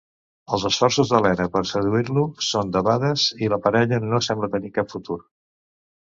Els esforços d'Elena per seduir-lo són debades i la parella no sembla tenir cap futur.